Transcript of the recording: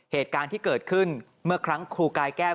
เหตุการณ์ที่เกิดขึ้นเมื่อครั้งครูกายแก้ว